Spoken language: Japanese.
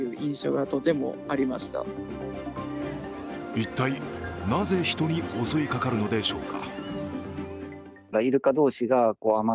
一体、なぜ人に襲いかかるのでしょうか。